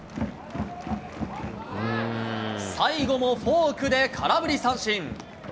最後もフォークで空振り三振。